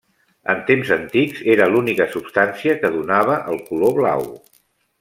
En temps antics era l'única substància que donava el color blau.